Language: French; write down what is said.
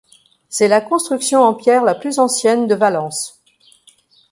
C’est la construction en pierre la plus ancienne de Valence.